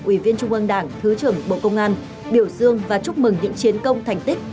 ủy viên trung ương đảng thứ trưởng bộ công an biểu dương và chúc mừng những chiến công thành tích